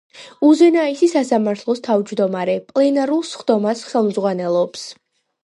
უზენაესი სასამართლოს თავმჯდომარე პლენარულ სხდომას ხელმძღვანელობს.